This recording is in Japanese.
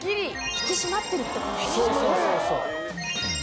引き締まってるって感じ。